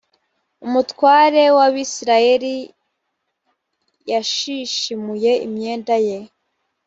umutware w’abisirayeli yashishimuye imyenda ye